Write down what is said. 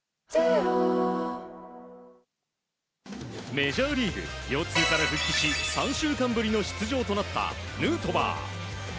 メジャーリーグ腰痛から復帰し３週間ぶりの出場となったヌートバー。